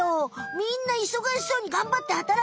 みんないそがしそうにがんばって働いてた。